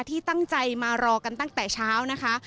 ที่ตั้งใจมารอกันตั้งแต่เช้านะคะ